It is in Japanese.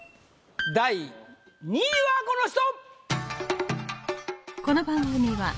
第２位はこの人！